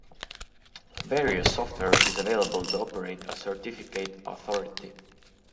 Various software is available to operate a certificate authority.